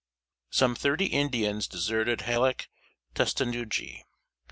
Some thirty Indians deserted Halec Tustenuggee (Nov.